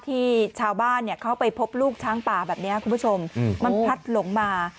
ที่ชาวบ้านเขาไปพบลูกช้างป่าแบบนี้คุณผู้ชมมันพลัดหลงมา